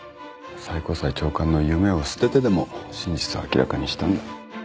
最高裁長官の夢を捨ててでも真実を明らかにしたんだ。